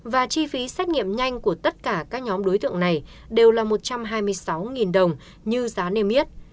và chi phí xét nghiệm nhanh của tất cả các nhóm đối tượng này đều là một trăm hai mươi sáu đồng như giá niêm yết